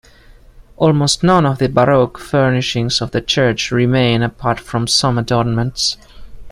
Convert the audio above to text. Almost none of the Baroque furnishings of the church remain apart from some adornments.